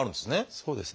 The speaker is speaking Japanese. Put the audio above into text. そうですね。